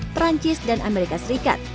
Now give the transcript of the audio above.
perancis dan amerika serikat